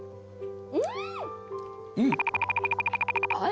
うん！